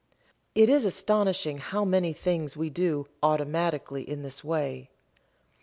It is astonishing how many things we do "automatically" in this way.